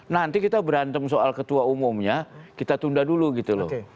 nanti kita berantem soal ketua umumnya kita tunda dulu gitu loh